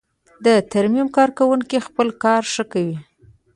د ترمیم کارکوونکی خپل کار ښه کوي.